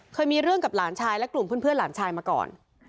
เคยมีเรื่องกับหลานชายและกลุ่มเพื่อนหลานชายมาก่อน